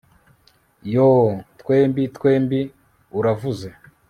Yoo Twembi twembi uravuze